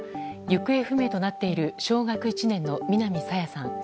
行方不明となっている小学１年の南朝芽さん。